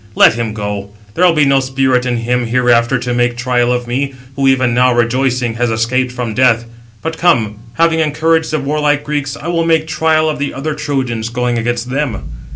Let him go; there will be no spirit in him hereafter to make trial of me, who even now rejoicing, has escaped from death. But come, having encouraged the warlike Greeks, I will make trial of the other Trojans, going against them."